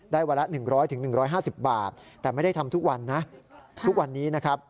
วันละ๑๐๐๑๕๐บาทแต่ไม่ได้ทำทุกวันนะทุกวันนี้นะครับ